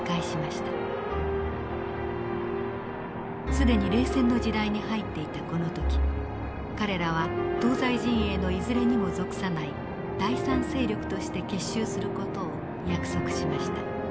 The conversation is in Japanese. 既に冷戦の時代に入っていたこの時彼らは東西陣営のいずれにも属さない第三勢力として結集する事を約束しました。